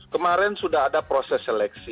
kemarin sudah ada proses seleksi